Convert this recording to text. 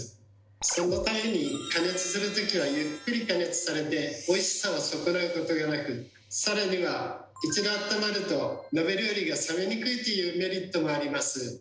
そのために加熱する時はゆっくり加熱されておいしさを損なうことがなく更には一度あったまると鍋料理が冷めにくいというメリットもあります。